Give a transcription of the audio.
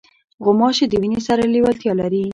غوماشې د وینې سره لیوالتیا لري.